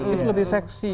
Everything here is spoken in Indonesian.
itu lebih seksi